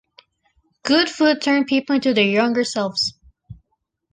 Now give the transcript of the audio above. Good food turn people into their younger selves.